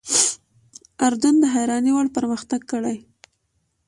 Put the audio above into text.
اردن د حیرانۍ وړ پرمختګ کړی.